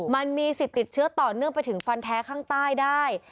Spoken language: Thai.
มันมีสิทธิ์ติดเชื้อต่อเนื่องไปถึงฟันแท้ข้างใต้ได้